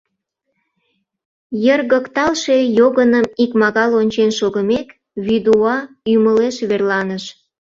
Йыргыкталше йогыным икмагал ончен шогымек, вӱдуа ӱмылеш верланыш.